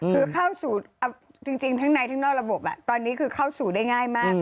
คือเข้าสู่จริงทั้งในทั้งนอกระบบตอนนี้คือเข้าสู่ได้ง่ายมาก